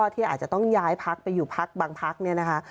ที่อาจจะต้องย้ายพักไปอยู่พักบางพักเนี่ยนะคะ